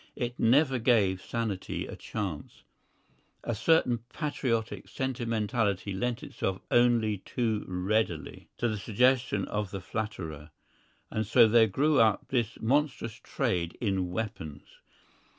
It never gave sanity a chance. A certain patriotic sentimentality lent itself only too readily to the suggestion of the flatterer, and so there grew up this monstrous trade in weapons.